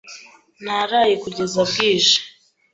Naraye kugeza bwije.